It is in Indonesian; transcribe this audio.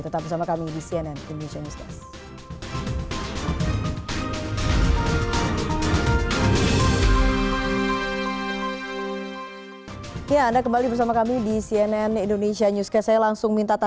tetap bersama kami di cnn indonesia newscast